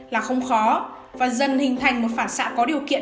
là không khó và dần hình thành một phản xạ có điều kiện